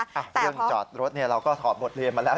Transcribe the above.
เรื่องจอดรถเนี่ยเราก็ถอดบทเรียนมาแล้ว